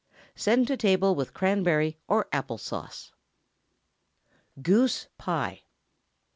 Send to table with cranberry or apple sauce. GOOSE PIE.